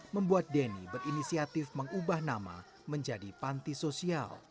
membuat denny berinisiatif mengubah nama menjadi panti sosial